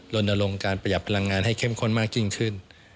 ลนลงการประหยัดพลังงานให้เข้มข้นมากยิ่งขึ้น